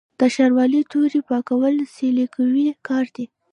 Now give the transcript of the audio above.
د شاروالۍ تورې پاکول سلیقوي کار دی.